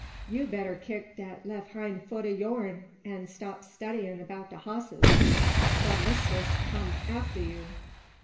"You better kick dat lef' hine foot o' yourn, an' stop studyin' 'bout de hosses, fo' mistis come arter you!